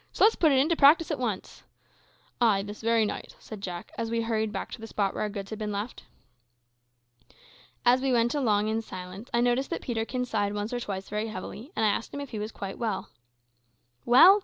"So let's put it in practice at once." "Ay, this very night," said Jack, as we hurried back to the spot where our goods had been left. As we went along in silence I noticed that Peterkin sighed once or twice very heavily, and I asked him if he was quite well. "Well?